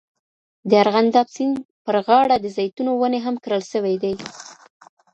د ارغنداب سیند پر غاړه د زیتونو ونې هم کرل سوي دي.